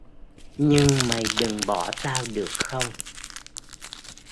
Nhưng mày đừng bỏ tao được không